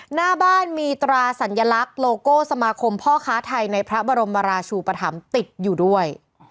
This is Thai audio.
หน้าบ้านมีตราสัญลักษณ์โลโก้สมาคมพ่อค้าไทยในพระบรมราชูปธรรมติดอยู่ด้วย